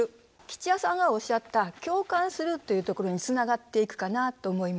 吉弥さんがおっしゃった「共感する」というところにつながっていくかなと思います。